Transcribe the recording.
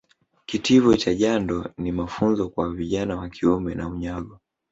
Kitivo cha jando ni mafunzo kwa vijana wa kiume na unyago